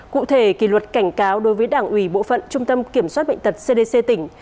cụ thể kỷ luật cảnh cáo đối với đảng ủy bộ phận trung tâm kiểm soát bệnh tật cdc tỉnh